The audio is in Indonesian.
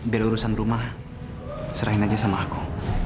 dari urusan rumah serahin aja sama aku